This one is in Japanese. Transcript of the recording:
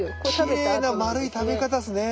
きれいな丸い食べ方ですね。